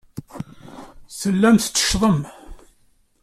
Tellamt tetteccḍemt.